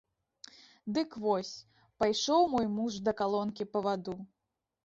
Дык вось, пайшоў мой муж да калонкі па ваду.